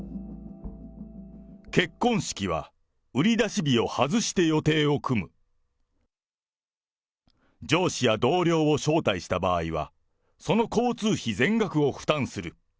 結婚式は売り出し日を外して上司や同僚を招待した場合は、その交通費全額を負担する。